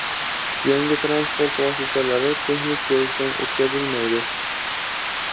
Yangi transport vositalari texnik ko‘rikdan o‘tkazilmaydi